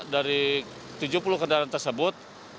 dari tujuh puluh kendaraan tersebut